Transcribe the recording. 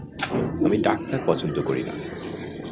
আমি ডাক্তার পছন্দ করি না।